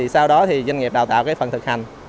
sau đó doanh nghiệp đào tạo phần thực hành